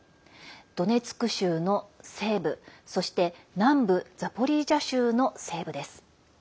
ドネツク州の西部そして、南部ザポリージャ州の西部です。